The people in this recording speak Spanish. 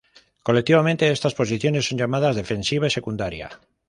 Colectivamente estas posiciones son llamadas "defensiva secundaria".